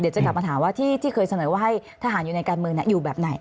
จะกลับมาถามว่าที่เคยเสนอว่าให้ทหารอยู่ในการเมืองอยู่แบบไหน